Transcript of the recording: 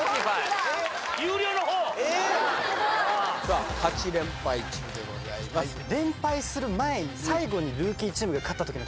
本気ださあ８連敗中でございます連敗する前に誰？